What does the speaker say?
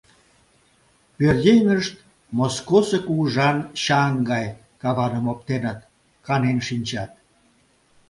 Пӧръеҥышт … Москосо кугыжан чаҥ гай каваным оптеныт, канен шинчат.